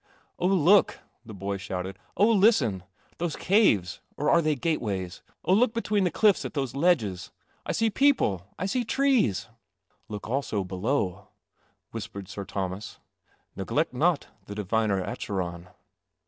" Oh, look !" the boy shouted. " Oh, listen ! Those caves — or are they gateways? Oh, look between those cliffs at those ledges. I see peo ple! I see trees! "" Look also below," whispered Sir Thomas. " Neglect not the diviner Acheron."